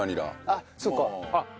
あっそうか。